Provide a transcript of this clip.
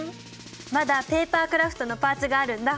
まだペーパークラフトのパーツがあるんだ。